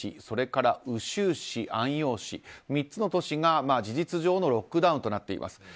それから、禹州市、安陽市３つの都市が事実上のロックダウンとなっています。